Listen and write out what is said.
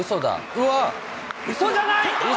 うそじゃない。